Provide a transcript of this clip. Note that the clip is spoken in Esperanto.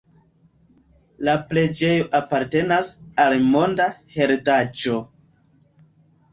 La preĝejo apartenas al Monda Heredaĵo.